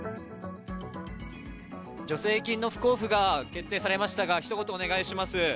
助成金の不交付が決定されましたが、ひと言お願いします。